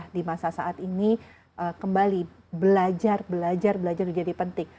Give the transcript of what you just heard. di masa saat ini kembali belajar belajar belajar menjadi penting